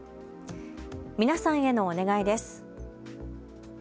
皆さんへのお願いです。